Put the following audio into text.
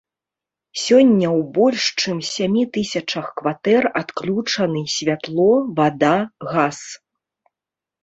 Сёння ў больш чым сямі тысячах кватэр адключаны святло, вада, газ.